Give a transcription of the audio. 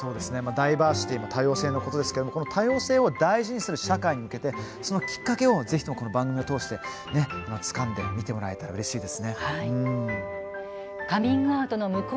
ダイバーシティーは多様性のことですがそれを大事にしようという社会に向けてそのきっかけとして番組を見てもらえたらうれしいです。